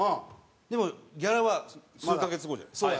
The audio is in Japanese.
でもギャラは数カ月後じゃないですか。